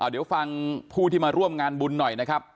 เดี๋ยวฟังผู้ที่มาร่วมงานบุญหน่อยนะครับ